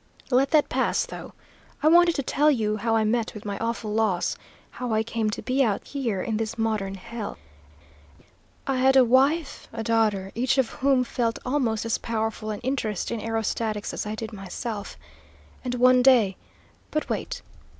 "Let that pass, though. I wanted to tell you how I met with my awful loss; how I came to be out here in this modern hell! "I had a wife, a daughter, each of whom felt almost as powerful an interest in aerostatics as I did myself. And one day but, wait!